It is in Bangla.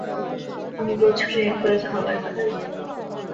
আমি বছরে একবার খাবার খাই।